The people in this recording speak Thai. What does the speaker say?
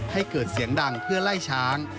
ให้เกิดเสียงดังเพื่อไล่ช้าง